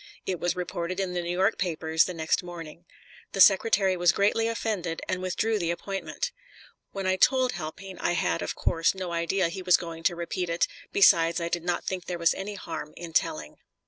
It was reported in the New York papers the next morning. The Secretary was greatly offended and withdrew the appointment. When I told Halpine I had, of course, no idea he was going to repeat it; besides, I did not think there was any harm in telling.